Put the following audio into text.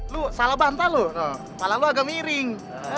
lo salah bantah lo kepala lo agak miring